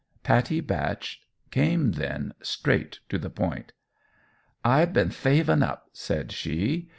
Pattie Batch came then straight to the point. "I been thavin' up," said she.